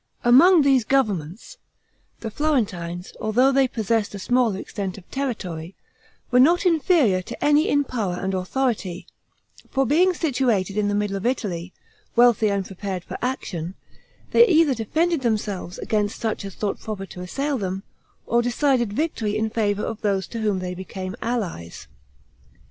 Among these governments, the Florentines, although they possessed a smaller extent of territory, were not inferior to any in power and authority; for being situated in the middle of Italy, wealthy, and prepared for action, they either defended themselves against such as thought proper to assail them, or decided victory in favor of those to whom they became allies.